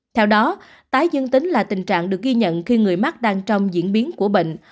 theo đó tái dương tính là tình trạng được ghi nhận khi người mắc đang trong diễn biến của bệnh